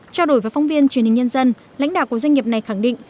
trao đổi với phóng viên truyền hình nhân dân lãnh đạo của doanh nghiệp này khẳng định